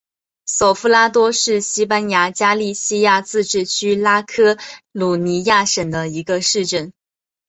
索夫拉多是西班牙加利西亚自治区拉科鲁尼亚省的一个市镇。